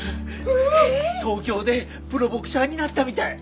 東京でプロボクサーになったみたい！